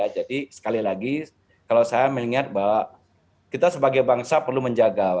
jadi sekali lagi kalau saya melihat bahwa kita sebagai bangsa perlu menjaga